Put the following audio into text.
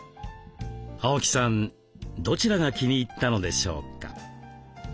青木さんどちらが気に入ったのでしょうか？